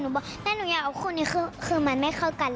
หนูบอกแม่หนูอยากเอาคุณนี่คือมันไม่เข้ากัน